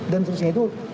dan seterusnya itu